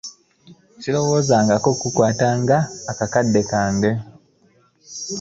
Sirowoozangako okukwata akakadde nga kange